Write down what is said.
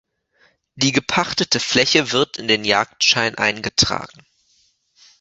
Die gepachtete Fläche wird in den Jagdschein eingetragen.